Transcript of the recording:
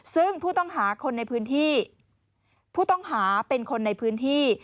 ซึ่งผู้ต้องหาเป็นคนในพื้นที่